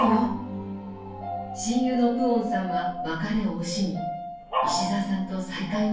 親友のプオンさんは別れを惜しみ石澤さんと再会を約束しました。